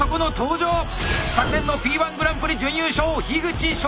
昨年の「Ｐ−１グランプリ」準優勝。